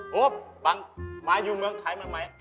โหบบางมาอยู่เมืองไทยเมื่อไหม